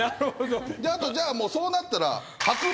あとじゃあそうなったら。